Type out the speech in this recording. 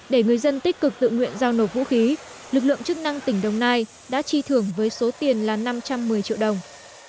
để người dân tích cực tự nguyện giao nộp vũ khí lực lượng chức năng tỉnh đồng nai đã chi thưởng với số tiền là năm trăm một mươi triệu đồng